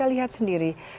kita lihat sendiri